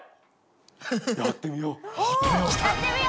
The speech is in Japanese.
やってみよう！